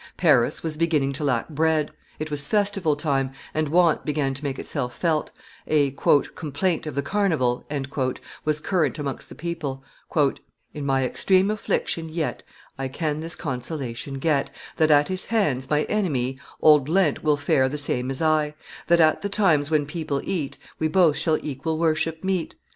Paris was beginning to lack bread; it was festival time, and want began to make itself felt; a "complaint of the Carnival" was current amongst the people: "In my extreme affliction, yet I can this consolation get, That, at his hands, my enemy, Old Lent, will fare the same as I: That, at the times when people eat, We both shall equal worship meet.